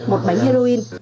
một bánh heroin